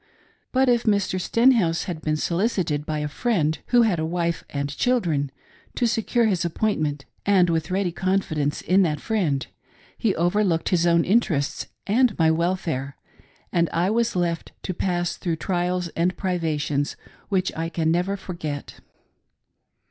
But Mr. Stenhouse had been solicited by a friend who had d w'ile and children, to secure his appoint ment, and with ready confidence in that friend, he overlooked his own interests and my welfare, and I was IdEt to pass through trials and privations which I can never forget.